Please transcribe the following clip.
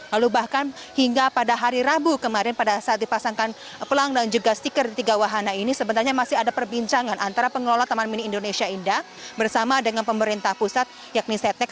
lalu bahkan hingga pada hari rabu kemarin pada saat dipasangkan pelang dan juga stiker di tiga wahana ini sebenarnya masih ada perbincangan antara pengelola taman mini indonesia indah bersama dengan pemerintah pusat yakni setnek